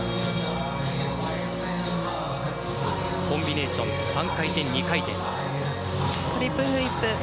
コンビネーション３回転、２回転。